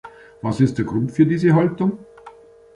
Was ist der Grund für diese Haltung?